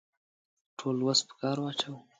ټول وس په کار واچاوه.